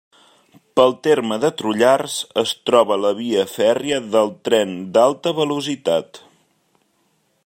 Pel terme de Trullars es troba la via fèrria del tren d'alta velocitat.